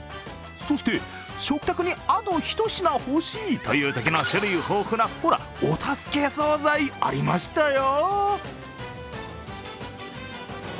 そして食卓にあと１品欲しいというときの種類豊富なほら、お助け総菜、ありましたよ。